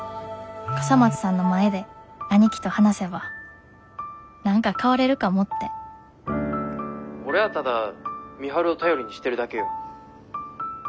笠松さんの前で兄貴と話せば何か変われるかもって俺はただ美晴を頼りにしてるだけよ。